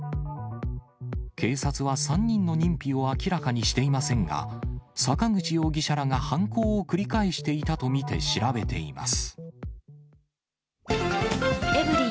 警察は３人の認否を明らかにしていませんが、坂口容疑者らが犯行を繰り返していたと見て調べています。